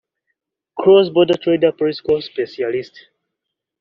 Cross Border Trade Policy Specialist (